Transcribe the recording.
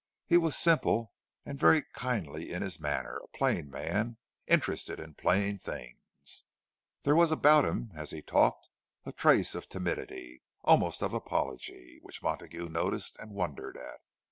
He was simple and very kindly in his manner, a plain man, interested in plain things. There was about him, as he talked, a trace of timidity, almost of apology, which Montague noticed and wondered at.